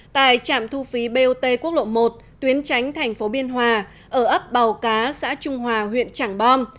tại trạm thu phí bot quốc lộ một tuyến tránh thành phố biên hòa ở ấp bào cá xã trung hòa huyện trảng bom